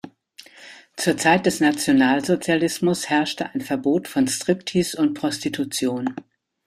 Zur Zeit des Nationalsozialismus herrschte ein Verbot von Striptease und Prostitution.